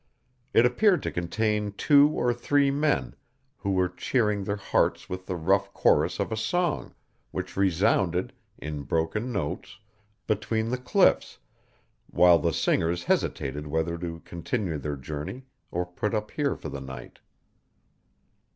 It appeared to contain two or three men, who were cheering their hearts with the rough chorus of a song, which resounded, in broken notes, between the cliffs, while the singers hesitated whether to continue their journey or put up here for the night.